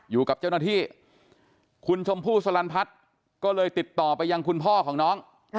อยู่กับเจ้าหน้าที่คุณชมพู่สลันพัฒน์ก็เลยติดต่อไปยังคุณพ่อของน้อง